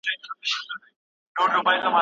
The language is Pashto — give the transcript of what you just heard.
د خلګو د سر او مال ساتونکی اوسئ.